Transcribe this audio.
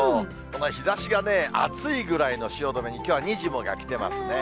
この日ざしがね、熱いぐらいの汐留にきょうはにじモが来てますね。